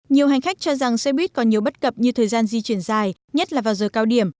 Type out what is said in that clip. nhiều hành khách cho rằng xe buýt còn nhiều bất cập như thời gian di chuyển dài nhất là vào giờ cao điểm